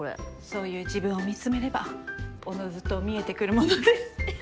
そういう自分を見つめればおのずと見えてくるものです。え？